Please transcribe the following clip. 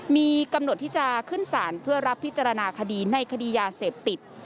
มีกำหนดที่จะขึ้นสารเพื่อรับพิจารณาคดีในคดียาเสพติด